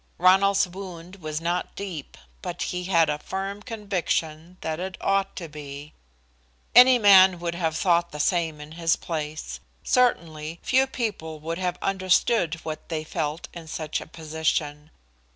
Ronald's wound was not deep, but he had a firm conviction that it ought to be. Any man would have thought the same in his place. Certainly, few people would have understood what they felt in such a position.